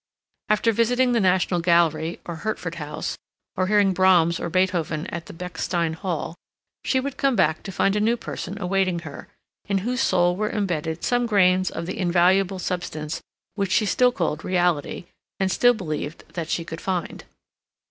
After visiting the National Gallery, or Hertford House, or hearing Brahms or Beethoven at the Bechstein Hall, she would come back to find a new person awaiting her, in whose soul were imbedded some grains of the invaluable substance which she still called reality, and still believed that she could find.